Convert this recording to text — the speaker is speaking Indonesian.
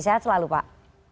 sehat selalu pak